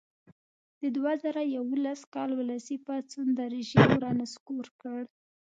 د دوه زره یوولس کال ولسي پاڅون رژیم را نسکور کړ.